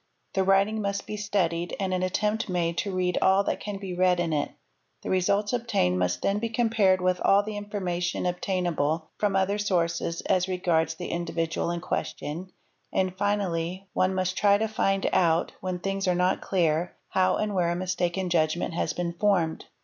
The writing must be studied and an attempt made to read all that can be read in it; the results 'obtained must then be compared with all the information obtainable from other sources as regards the individual in question, and, finally, ; 'one must try to find out, when things are not clear, how and where a mistaken judgment has been formed.